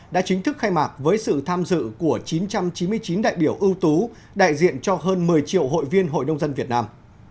đã chính thức khai mạc với sự tham dự của chín trăm chín mươi chín đại biểu ưu tú đại diện cho hơn một mươi triệu hội viên hội nông dân việt nam